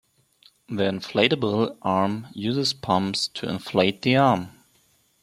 The inflatable arm uses pumps to inflate the arm.